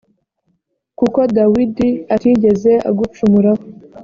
kuko dawidi atigeze agucumuraho